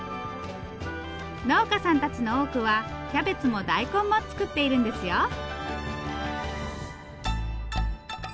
農家さんたちの多くはキャベツも大根も作っているんですよ。